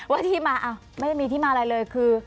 ว่าที่มาไม่ได้มีที่มาอะไรเลยคือ